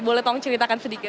boleh tolong ceritakan sedikit